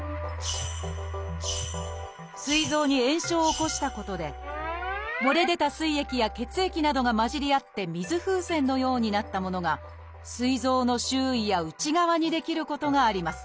すい臓に炎症を起こしたことで漏れ出たすい液や血液などが混じり合って水風船のようになったものがすい臓の周囲や内側に出来ることがあります。